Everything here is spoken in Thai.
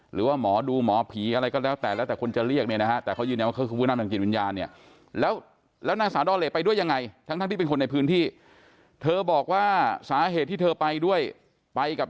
หรือว่าหมอดูหมอผีอะไรก็แล้วแต่แล้วแต่คนจะเรียกเนี่ยนะฮะ